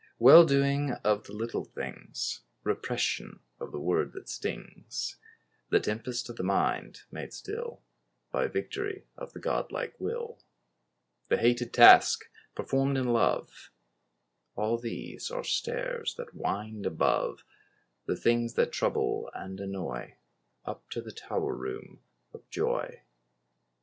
Well doing of the little things: Repression of the word that stings; The tempest of the mind made still By victory of the God like will. The hated task performed in love— All these are stairs that wind above The things that trouble and annoy, Up to the Tower room of joy.